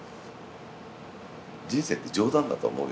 人生って冗談だと思うよ